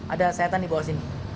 ada sayatan dibawah sini